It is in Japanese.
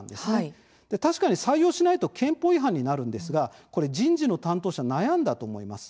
確かに、採用しないと憲法違反になるんですがこれ、人事の担当者は悩んだと思います。